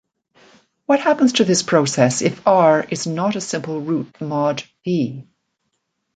What happens to this process if "r" is not a simple root mod "p"?